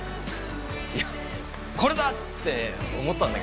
いや「これだ！」って思ったんだけど。